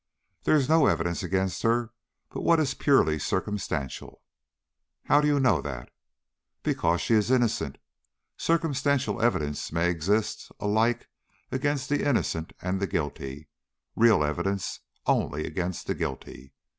"There is no evidence against her but what is purely circumstantial." "How do you know that?" "Because she is innocent. Circumstantial evidence may exist alike against the innocent and the guilty; real evidence only against the guilty.